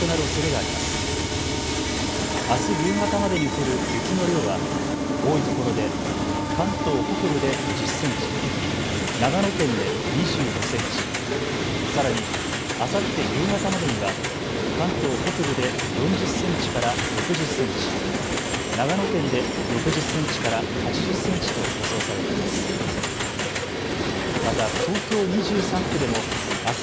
あす夕方までに降る雪の量は多いところで関東北部で１０センチ、長野県で２５センチ、さらにあさって夕方までには関東北部で４０センチから６０センチ、長野県で６０センチから８０センチと予想されています。